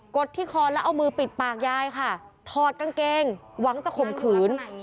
ดที่คอแล้วเอามือปิดปากยายค่ะถอดกางเกงหวังจะข่มขืน